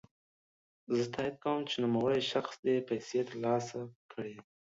زه تاييد کوم چی نوموړی شخص دي پيسې ترلاسه کړي.